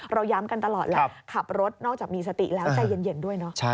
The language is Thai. เราย้ำกันตลอดแหละขับรถนอกจากมีสติแล้วใจเย็นด้วยเนอะ